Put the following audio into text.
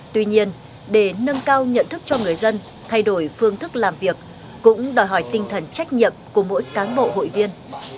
tuy nhiên để nâng cao nhận thức cho người dân thay đổi phương thức làm việc cũng đòi hỏi tinh thần trách nhiệm của mỗi cán bộ hội viên